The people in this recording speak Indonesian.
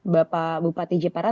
bapak bupati jepara